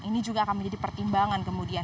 ini juga akan menjadi pertimbangan kemudian